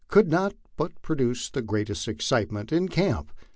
could not but produce the greatest excitement in camp.